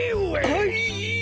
はい！